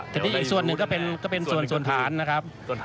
ทีนี้อีกส่วนหนึ่งก็เป็นส่วนฐานนะครับ